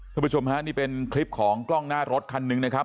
คุณผู้ชมฮะนี่เป็นคลิปของกล้องหน้ารถคันหนึ่งนะครับ